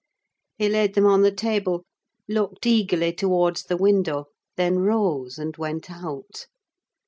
He laid them on the table, looked eagerly towards the window, then rose and went out.